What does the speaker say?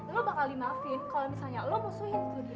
lo bakal dimaafin kalo misalnya lo musuhin tuh dia